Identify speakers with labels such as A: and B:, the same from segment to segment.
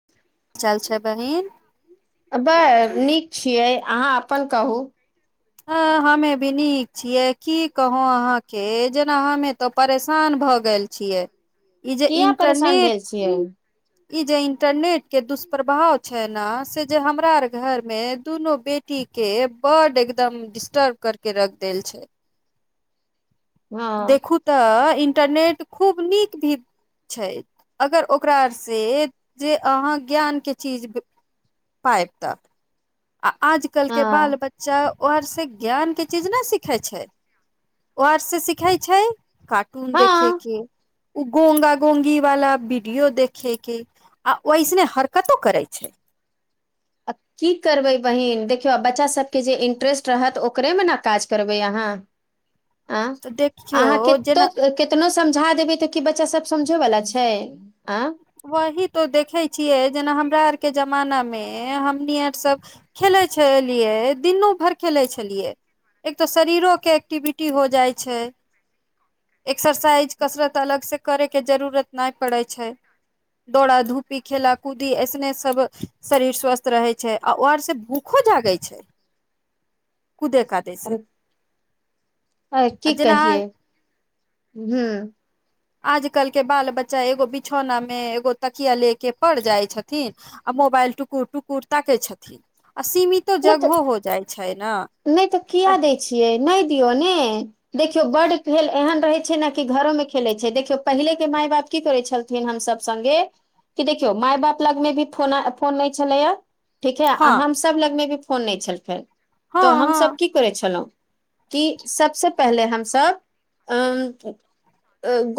A: [unintelligible]
B: चल छैय बहिन।
A: ब नीक छियै अहाँ अपन कहू।
B: आ हमे भी नीक छियै की कहो अहा के जेना हमे तो परेशान भ गेल छी। छियै ई जे
A: किया परेशान
B: इंटरनेट
A: भेल छियै
B: ई जे इंटरनेट के दुष्प्रभाव छैय ने से जे हमरार घर में दुनू बेटी ठीके बड एकदम डिस्टर्ब करके रख देल छैय
A: हँ
B: देखू तऽ इंटरनेट खूब नीक भी छैय अगर ओकराँ से जे अहाँ ज्ञानके चीज पाइप त आ आजकल के बाल
A: हँ
B: बच्चा ओ आर से ज्ञान के चीज ने सिखे छैय ओ आर से सिखे छैय कार्टन देखे
A: हँ
B: के। उ गोंगा गोंगी वाला वीडियो देखे के आ ओइसने हरकतो करे छैय।
A: आ की करबै बहिन देखियौ आ बच्चा सबके जे इंट्रेस्ट रहत ओकरेमे ने काज करबै अहाँ।
B: [unintelligible]
A: आँ
B: तऽ देखियौ
A: अहाँ कितो
B: जेना
A: कि तनो समझा देबै तऽ की बच्चा सब समझे बला छैय, आं।
B: वही तो देखे छियै जेना हमरा आरके जमाना मे हमनी आर सब खेलै छलियै दिनू भरि खेलै छलियै। एक तऽ शरीरो के एक्टिविटी हो जाइ छैय। एक्सरसाइज कसरत अलग से करे के जरूरत नहि पड़े छैय। दौड़ा धूपी खेला कूदी ऐसने सब शरीर स्वस्थ रहै छैय आ ओर से भूखो जागे छैय कुदे खाति
A: [unintelligible] आए
B: आ
A: की
B: जेना
A: कहिए हूँ।
B: आजकल के बाल बच्चा एगो बिछौना मे एगो तकिया ले के पड़ जाइ छथिन। आ मोबाइल टुकुर टुकुर ताके छथिन आ सीमितो
A: नहि तऽ
B: जगहो हो जाइ छैय न।
A: नहि तऽ किया दै छियै नहि दियौ ने। देखियौ बड खेल एहन रहैत छैय ने कि घरोमे खेलैत छैय, देखियौ पहिलेके माय-बाप की करै छलथिन हमस सङ्गे कि देखियौ माय बाप लगमे भी फोन फोन नहि छलैया। ठीक है आ
B: हँ
A: हमस लगमे भी फोन नहि छल फे तऽ
B: हँ
A: हमसभ
B: हँ
A: की करै छलहुँ कि सबस पहिले हमसब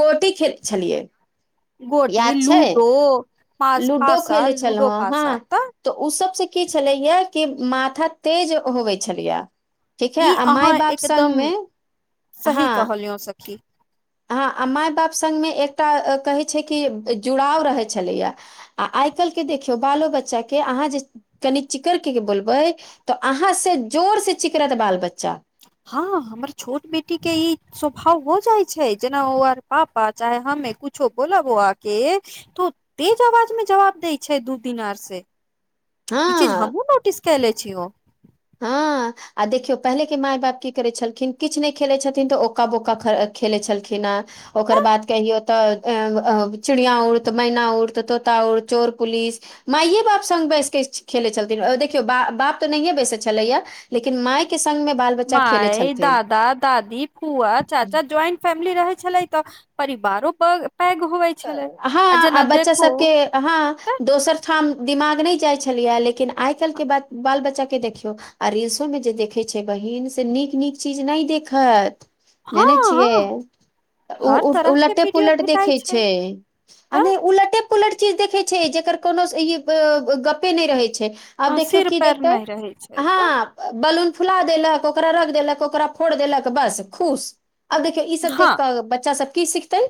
A: गोटी खेल छलियै
B: गोटी,
A: याद छै
B: लूडो पा
A: लूडो
B: पासा
A: खेलै
B: लूडो
A: छलहुँ हँ
B: पासा तऽ
A: तऽ उ सबसँ की छलैया कि माथा तेज होबै छलैया। ठीक है
B: ई
A: आ माय
B: अहाँ
A: बाप
B: एकदम
A: संगमे
B: सही
A: हँ।
B: [unintelligible]
A: हँ आ मााय बाप सङ्गमे एकटा कहै छैय कि जुड़ाव रहैत छलैया। आ आइ काल्हिके देखियौ बालो बच्चाके अहाँ जे कनि चिकर के के बोलबै तऽ अहाँ से जोर से चिकरत बाल बच्चा
B: हँ हमर छोट बेटी के ई स्वभाव हो जाइ छैय जेना ओ आर पापा चाहे हमे कुछो बोलऽ बौआ के त तेज अवाज में जबाब दै छैय दू दिन आर से। ई चीज
A: हँ
B: हमहुँ नोटिस कयनेे छिओ।
A: हँ आ देखियौ पहिले के माय बाप की करै छलखिन किछु नहि खेले छथिन तऽ ओका बका खेले छलखिन ह। ओकर बाद कहियौ तऽ चिड़िया उड़, तऽ मैना उड़, तऽ तोता उड़, चोर पुलिस। माए बाप संग बैसके खेले छलथिन देखियौ बाप तऽ नहियए बैसे छलैए लेकिन माय के संगमे बाल बच्चा खेलै
B: माय,
A: छलथिन
B: दादा, दादी फूआ, चाचा ज्वइंट फैमिली रहै छलै तऽ परिवारो पघ पैघ होैवै
A: हँ आब बच्चा सबके अहाँ
B: तऽ
A: दोसर ठाम दिमाग नहि जाइ छलियै लेकिन आइ काल्हिके बाल बच्चाके देखियौ। आ रील्सों में जे देखै छै बहिन से नीक नीक चीज नहि देखत।
B: हँ
A: जानै
B: हँ
A: छियै उ
B: हर
A: उ
B: तरह के
A: उलटे
B: वीडियो
A: पुलट
B: भेटाइ
A: देखै छै। आ
B: तऽ
A: नै उलटे पुलट चीज देखै छै। जेकर कोनो ई गपे नहि रहै छै। आब
B: अ,
A: देखियौ
B: सिर
A: की
B: पैर
A: देखतै?
B: नहि रहै छै तऽ
A: हँ बलून फुला देलक ओकरा रख देलक ओकरा फोड़ देलक बस खुश। आब देखियौ ई सब
B: हँ
A: देख क' बच्चा सब की सिखतै?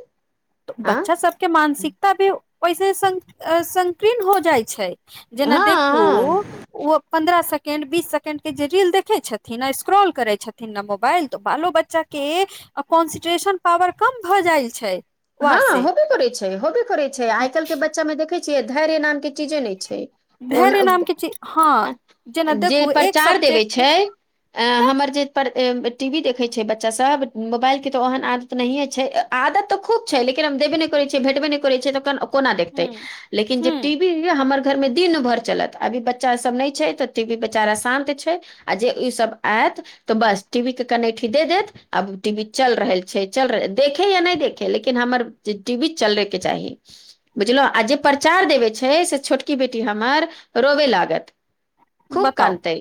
B: त
A: आ
B: बच्चा सबके मानसिकता भी ओहिसे संक संकीर्ण हो जाइ छै। जेना देखू
A: हँ हँ
B: ओ पन्द्रह सेकेंड बीस सेकेंड के जे रील देखे छथिन आ स्क्रॉल करे छथिन ने मोबाइल तऽ बालो बच्चा के कॉन्सेन्ट्रेशन पावर कम भऽ जाइ छै।
A: हँ
B: वार से
A: होबे करै छै होबे करै छै आइ काल्हि के बच्चामे देखै छियै धैर्य नाम के चीजे नहि छै। ओ
B: धैर्य नाम के चीज हँ जेना
A: न जे
B: देखू एक
A: प्रचार देबे
B: सब्जेक्ट
A: छै। ऐं
B: तऽ
A: हमर जे पर टीवी देखे छै बच्चा सब मोबाइल के तो ओहन आद त नहिये छै। आदत तऽ खूब छै। लेकिन हम देबे नहि करै छियै। भेटबे नहि करै छै। त कोना देखतै?
B: ह
A: लेकिन जे
B: ह
A: टी वी हमर घरमे दिन भरि चलत अभी बच्चा सभ नहि छै। त टीवी बेचारा शान्त छै। आ जे ईसभ आयत। तऽ बस टी वी के कनैठी दे देत आब टी वी चल रहल छै चल रह देखे या नहि देखे लेकिन लेकिन हमर टीवी चलेके चाही। बुझलहुँ आ जे प्रचार देबे छै से छोटकी बेटी हमर रोबे लागत। खूब
B: बताउ
A: कनतै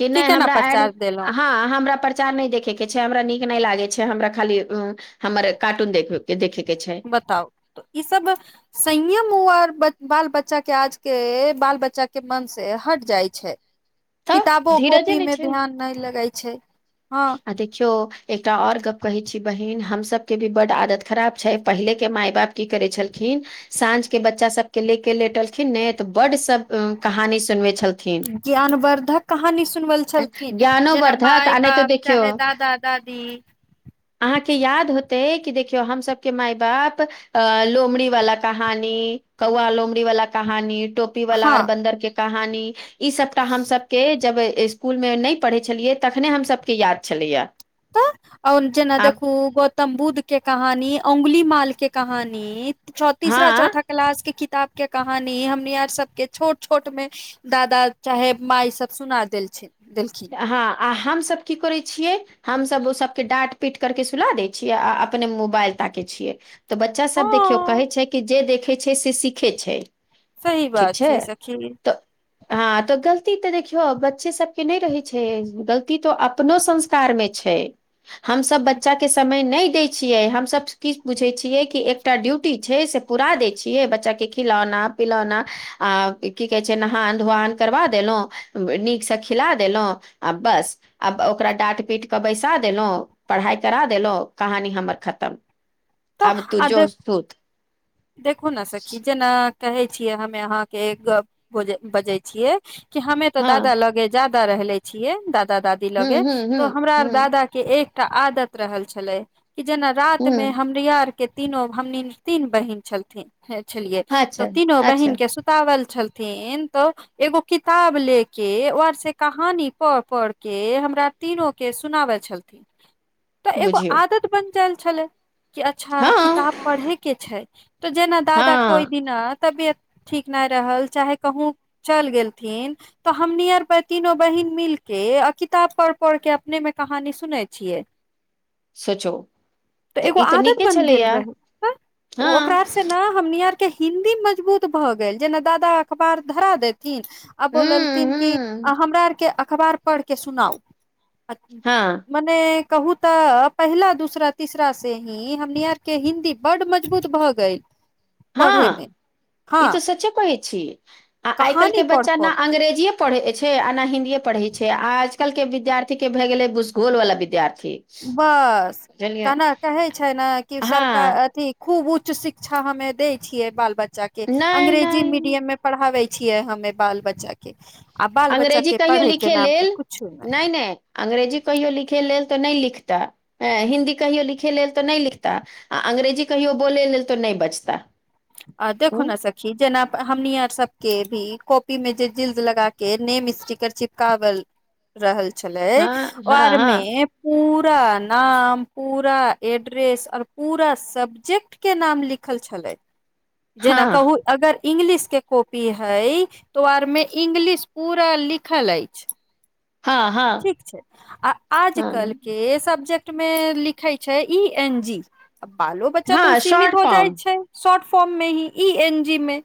A: कि
B: की
A: नहि
B: केना
A: हमरा एड
B: प्रचार देलहुँ
A: हँ हमरा पर चा नहि देखे के छै। हमरा नीक नहि लागे छै। हमरा खाली हमर कार्टून देखे के छै।
B: बताउ त ई सब संयम उ आर बाल बच्चा के आज के बाल बच्चा के मन से हट जाइ छै।
A: तऽ
B: किताबो
A: धीरजे
B: कॉपी
A: नहि
B: मे
A: छै
B: ध्यान नहि लगै छै। हँ
A: आ देखयो। एकटा आओर गप्प कहै छी बहिन हमसके भी बड्ड आदत खराब छै पहिलेके माय बाप की करै छलखिन। साँझ के बच्चा सबके ले के लेटलखिन ने तऽ बड सब कहानी सुनवे छल
B: ज्ञानवर्द्धक कहानी सुनवल छलखिन जेना
A: ज्ञानोवर्धक
B: माय
A: आ नहि तऽ
B: बाप।
A: देखियौ
B: चाहे दादा दादी।
A: अहाँके याद होतै कि देखियौ हमसभके माय बाप। अ लोमड़ी वाला कहानी कौआ लोमड़ी वाला कहानी टोपी वाला
B: हँ
A: आर बन्दर के कहानी। इ सबटा हम सबके जब इस्कुल मे नहि पढ़ छलियै तखने हमसब के याद छलैया।
B: आओर जेना
A: आप
B: देखू गौतम बुद्ध के कहानी, औंगुली माल के कहानी। तीसरा
A: हँ
B: चौथा क्लास के किताब के कहानी हमनी आर सबके छोट छोट मे दादा चाहे माई सब सुना देलछी देलखिन।
A: आ हँ आ हमसब की करै छियै। हमसभ ओ सभके डाँट पीट करके सुलाह दै छियै आ अपने मोबाइल ताके छियै। तऽ बच्चा सभ देखियौ
B: हँ
A: कहै छै कि जे देखै छै से सीखे छै।
B: सही
A: ठीक
B: बात
A: छै,
B: सखी
A: तऽ हँ तऽ गलती ते देखियौ बच्चे सबके नहि रहे छै। छै, गलती तो अपनो संस्कार मे छै, हमस बच्चा के समय नहि दै छियै, हम सब किछु बुझे छियै कि एकटा ड्यूटी छै से पूरा देय छियै, बच्चा के खिलौना पिलौना, आ की कहे छै, नहान- धोवान करबा देलहुँ। नीकसँ खिला देलहुँ, आ बस। आब ओकरा डाट- पीट कऽ बैसा देलहुँ, पढ़ाई करा देलहुँ, कहानी हमर खतम।
B: तऽ
A: आब तू जो
B: आदे
A: सुत
B: देखु ने सखी, जेना कहे छियै, हमे अहाँके एकगप बजे छियै। क हमे ते
A: हँ
B: दादा लगे जाादा रहलेय छियै, दादा दादी
A: हूँ
B: लगे
A: हूँ हूँ
B: तो हमरा आर
A: हूँ
B: दादा के एकटा आदत रहल छलै, कि जेना रात मे
A: हूँ
B: हम! हमरा यर के तीनो हमनि तीन बहिन छलथि छलियै, त
A: अच्छा
B: तीनो बहिन
A: अच्छा
B: के सूत तावल छलथिन, त एगो किताब ले के, और से कहानी पढ़-पढ के हमरा तीनो के सुनावे छलथिे। ठीक। तऽ एगो
A: बुझियौ
B: आदत बन जायल छलै, कि अच्छा किताब
A: हँ
B: पढ़यके छै। तऽ जेना दादा कोहि
A: हँ
B: बिना तबियत ठीक नहि रहल, चाहे कहूँ चलि गेलथिन। तऽ हम नियर बाय तीनो बहिन मिल के, आ किताब पढ़- पढ़ के अपने मे कहानी सुने छियै।
A: सोचो, तऽ ई
B: एगो
A: तऽ नीक
B: आदत बन गेल रहै, ह त ओ ओकरार से नहि हमनी आरके हिन्दी मजबूत भऽ गेल, जेना दादा अखबार धरा देथिन। आ
A: हूं
B: बोललथिन कि!
A: हूं
B: हमरा आरके अखबार पढ़ के सुनाउ।
A: हँ
B: मने कहू तऽ, पहिला, दूसरा, तीसरा से हमनी आर के हिन्दी बड मजबूत भऽ गेल। पढ़े मे
A: हँ, ई
B: हँ
A: तऽ सचे कहै छी, आ आइ -काल्हि
B: कहानी
A: के
B: पढ़
A: बच्चा, न
B: पढ़ के
A: अंग्रेजीे पढ़ै छै, आना हिन्दीए पढ़े छै, आ आजकल के विद्यार्थी के भए गेलै, भूसगोल वालला विद्यार्थी।
B: बस
A: बुझलियै
B: केना कहै छै ने, कि
A: हँ
B: सरकार अथी खूब उच्च शिक्षा हमे दै छियै, बाल- बच्चा के
A: नहि
B: अंग्रेजी
A: नहि
B: मीडियम मे पढ़ाबे छियै हमे बाल -बच्चा के, आ बाल- बच्चा
A: अंग्रेजी
B: के
A: कहियो
B: पढ़े के
A: लिखे
B: नाम
A: लेल
B: पे कुछो नहि।
A: अंग्रेजी कहियो लिखै लेल तऽ नहि लिखता, हँ हिंन्दी कहियो लिखय लेल तऽ नहि लिखता। आ अंग्रेजी कहियो बोलै लेल तो नहि बचता।
B: आ देखू
A: उ
B: ने स जेना हमनी आर सब के भी, कॉपी में जे जीलद लगा के नेम स्टीकर चिप कावल रहल छलै,
A: हाँ हाँ
B: आर
A: हाँ
B: मे पूरा नाम, पूरा एड्रेस, और पूरा सब्जेक्ट के नाम लिखल छलै, जेना
A: हाँ
B: कहू अगर इंगगलिश के कॉपी हय तो आर मे इंगलिश पूरा लिखल अछि।
A: हाँ हाँ
B: ठीक छै, आ आजकल
A: हाँ
B: के सब्जेक्ट मे लिखे छै, इ एन जी, बालो -बच्चा तऽ ओ
A: हाँ
B: सीमित
A: शॉर्ट
B: हो जाइ
A: फॉर्म
B: छै। शॉर्ट फॉर्म मे ही, ई एन जी मे।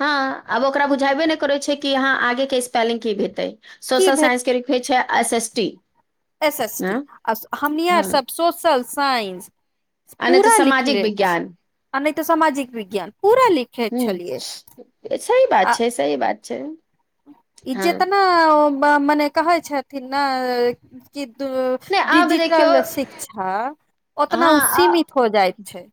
A: हँ, आब ओकरा
B: ओ
A: बुझेबे नहि करे छै, कि यहाँ आगे के स्पेलिंग की हेतेै,
B: की
A: सोशल
B: भेट
A: साइंस के लिखै छै, एस एषष्ठी।
B: एस एस टी, हमनी आर
A: हाँ
B: सब सोशल साइंस।
A: आ नहि तऽ
B: पूरा
A: सामाजिक
B: लिखले छी
A: विज्ञान
B: आ नहि त सामाजिक विज्ञान पूरा लिख
A: हुं, सही बात
B: आ
A: छै सही बात छै।
B: ई
A: हाँ
B: जेतना मने कहै छथिन ने कि
A: नहि आब देखियौ
B: डिजिटल शिक्षा उतना उ
A: हाँ आ
B: सीमित हो जाय छै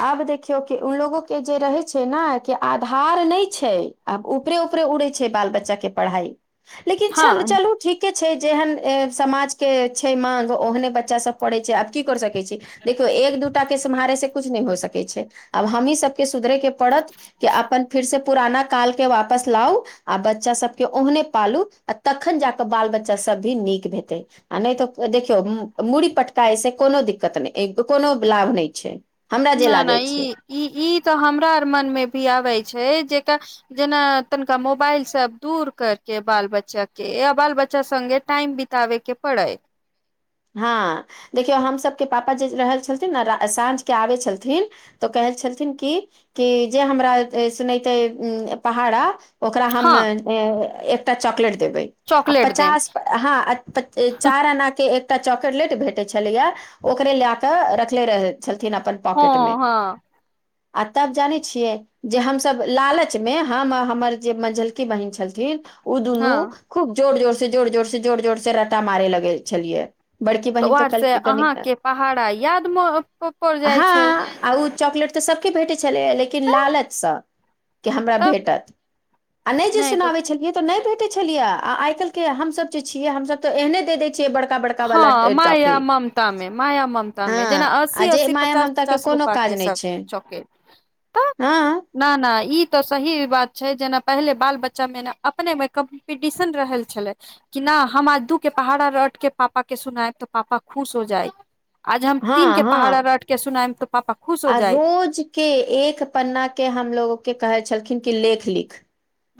A: आब देखियो कि उन लोगो के जे रहे छै ने कि आधार नहि छै। आब ऊपरे ऊपरे उड़े छै बाल बच्चा के पढ़ाई लेकिन
B: हँ
A: च चलू ठीक के छै जेहन समाज के छै माग ओहने बच्चा सब पढ़े छै आब की कर सकै सकै छै, देखियौ एक दूटा के सम्हारै से कछु नहि हो सकै छै आब हमही सब के सुधरैके पड़त कि अपन फिर से पुराना काल के वापस लाउ आ बच्चा सभके ओहने पालू आ तखन जा क बाल बच्चा सब भी नीक हेतै आ नै त देखियौ मूड़ी पटकाए से कोनो दिकत नहि कोनो लाभ नहि छै। हमरा जे
B: नहि
A: लागै छै
B: नहि ई ई त हमरा आर मन मे भी आबै छै जे जेना तनिका मोबाइल सब दूर करके बाल बच्चा के आ बाल बच्चा सगे टाइम ब ताबेके पड़ै।
A: हँ देखियौ हमसभके पापा जे रहल छलथिन ने साँझके आबै छलथिन त कहैत छलथिन कि जे हमरा सुनते उ पहाड़ा ओकरा हम
B: हँ
A: एकटा चॉकलेट देबै। आ
B: चॉकलेट देम
A: पचास हँ, चार अना। के एकटा चॉकलेट भेटे छलैये ओकरे लए क रखले रहै छलथिन अपन
B: हँ
A: पॉकेट मे
B: हँ
A: आ तब जानै छियै जे हमसभ लालचमे हम हमर जे मझलकी बहिन छलथिन ओ दुनू
B: हँ
A: खूब जोर जोर से जोर जोर से जोर जोर से रटा मारे लगै छलियैये।
B: त वर से अहाँ के पहाड़ा याद मे पड़ जाय
A: हँ
B: छै।
A: आ ओ चॉकलेट त सबके भेटैत छलैय लेकिन
B: तऽ
A: लालचसे कि हमरा
B: तब
A: भेटत आ नहि जे सुनाबै छलियै त नहि भेटै छलैये, आ आइ काल्हि के हमसब जे छियै हम सब त एहने देखै छियै बड़का बड़का वाला
B: हँ
A: टॉफी
B: माया ममता मे, माया ममता
A: हँ
B: मे, जेना
A: आ
B: अस्सी
A: जे
B: अस्सी,
A: माया
B: पचास
A: ममता
B: पचास
A: कोनो
B: रूपया
A: काज
B: के
A: नहि
B: सब
A: छै
B: चाकलेट।
A: हँ
B: ना ना ई त सही बात छै जेना पहिले बाल बच्चामे ने अपनेमे कम्पीटिशन रहय छलै कि ना हम आज दू के पहाड़ा रटके पापा के सुनामी त ापा खुश हो जाए आज हम
A: हँ
B: तीन के
A: हँ
B: पहाड़ा रट के सुनायब त पापा खुश हो
A: आ
B: जायत
A: रोज के एक पन्ना के हमलोग के कहै छलखिन कि लेख लिख।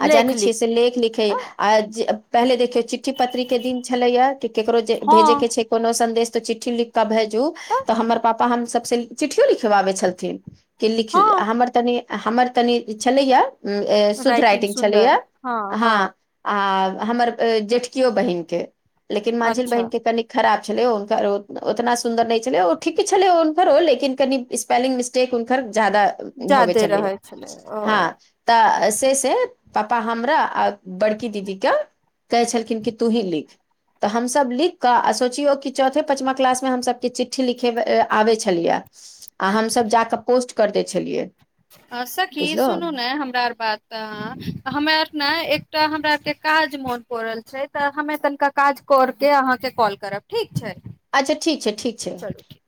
A: आ
B: लेख
A: जाने छियै
B: लिख
A: से लेख लिखे
B: तऽ
A: आ पहिले देखियो चिठ्ठी पत्री के दिन छलैये कि केकरो जे भेजे
B: हँ
A: के छै कोनो संदेश त चिठ्ठी लिख क भेजु
B: तऽ
A: त हमर पापा हम सब से चिठियो लिख लिखबाबै छलथिन कि लिख,
B: हँ
A: हमर तनि हमर तनी छलैये शुद्ध राइटिंग छलैये हँ आ हमर जेठकियो बहिन के लेकिन माझिल
B: अच्छा
A: बहिन के तनि खराब छलै हुनकर ओतना सुन्दर नहि छलै ओ ठीके छलै हुनकरो लेकिन कनि स्पेलिंग मिस्टेक हुनकर जादा होबै
B: जादे
A: छलैये,
B: रहै छलै ओ
A: हँ। त से से पापा हमरा आ बड़की दीदीके कहै छलखिन कि तु ही लिख। त हमसभ लिख क आ सोचियौ कि चौथे पचमा क्लासमे हमसभके चिठ्ठी लिखब आबै छलैये। आ हमसब जाके पोस्ट क दै छलियैये।
B: आ सखी सुनू ने हमरा आर बात तऽ हम्मे आर ने एकटा हमरा आर के काज मोन पड़ल छै तऽ हमे तनका काज करके अहाँके कॉल करब ठीक छै।
A: अच्छा ठीक छै, ठीक छै।
B: चलु ठी